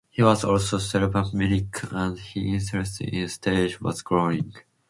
He was also a clever mimic, and his interest in the stage was growing.